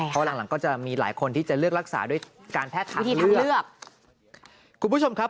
เพราะหลังก็จะมีหลายคนที่จะเลือกรักษาด้วยการแพทย์ทำเลือก